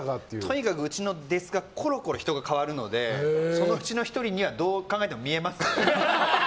とにかく、うちのデスクはコロコロ人が代わるのでそのうちの１人にはどう考えても見えますよね。